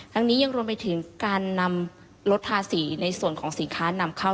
ยังนี้ยังรวมไปถึงการนำลดภาษีในส่วนของสินค้านำเข้า